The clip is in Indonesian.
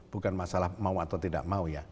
bukan masalah mau atau tidak mau ya